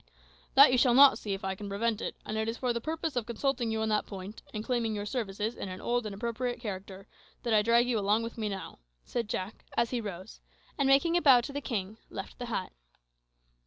"That you shall not see, if I can prevent it; and it is for the purpose of consulting you on that point, and claiming your services in an old and appropriate character, that I drag you along with me now," said Jack, as he rose, and, making a bow to the king, left the hut.